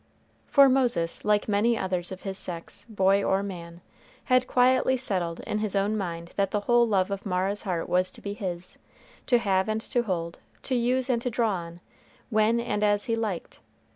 For Moses, like many others of his sex, boy or man, had quietly settled in his own mind that the whole love of Mara's heart was to be his, to have and to hold, to use and to draw on, when and as he liked.